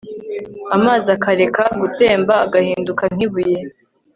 amazi akareka gutemba agahinduka nk'ibuye